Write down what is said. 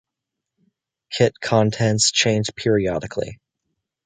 Kit contents change periodically.